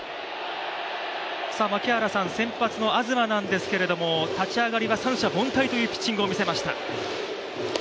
先発の東なんですけど立ち上がりは三者凡退というピッチングを見せました。